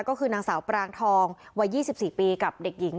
ก็คือนางสาวปรางทองวัย๒๔ปีกับเด็กหญิง